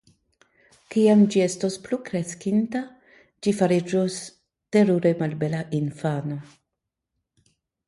Kiam ĝi estos plukreskinta ĝi fariĝos terure malbela infano.